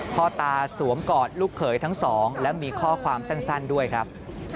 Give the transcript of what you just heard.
พ่อตาสวมกอดลูกเขยทั้งสองแล้วมีข้อความสั้นด้วยครับ